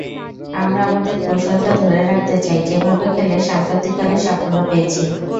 আমরা আমাদের কৌশলটা ধরে রাখতে চাই যেভাবে খেলে সাম্প্রতিককালে সাফল্য পেয়েছি।